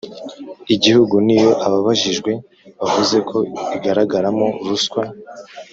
igihugu niyo ababajijwe bavuze ko igaragaramo ruswa